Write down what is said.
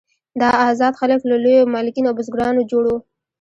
دا آزاد خلک له لویو مالکین او بزګرانو جوړ وو.